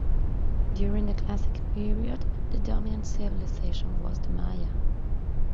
During the Classic period the dominant Civilization was the Maya.